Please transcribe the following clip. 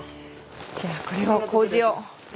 じゃあこれをこうじを。